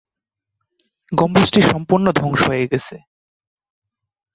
গম্বুজটি সম্পূর্ণ ধ্বংস হয়ে গেছে।